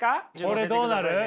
これどうなる？